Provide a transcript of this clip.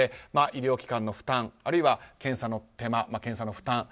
医療機関の負担あるいは検査の手間、負担